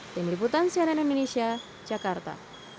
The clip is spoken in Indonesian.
tim liputan cnn indonesia jakarta